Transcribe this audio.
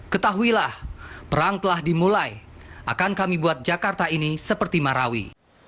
ketahuilah perang telah dimulai akan kami buat jakarta ini seperti marawi